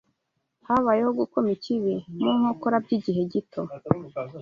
Habayeho gukoma ikibi mu nkokora by’igihe gito